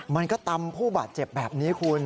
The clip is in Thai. มันก็ตำผู้บาดเจ็บแบบนี้คุณ